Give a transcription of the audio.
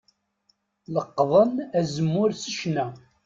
Leqqḍen azemmur s ccna.